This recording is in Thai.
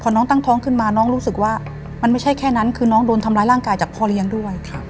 น้องตั้งท้องขึ้นมาน้องรู้สึกว่ามันไม่ใช่แค่นั้นคือน้องโดนทำร้ายร่างกายจากพ่อเลี้ยงด้วย